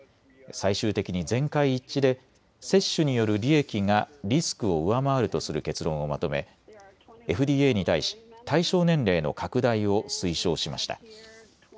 最終的に全会一致で接種による利益がリスクを上回るとする結論をまとめＦＤＡに対し対象年齢の拡大を推奨しました。